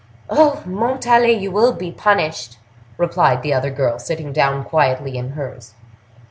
"Oh! Montalais, you will be punished!" replied the other girl, sitting down quietly in hers.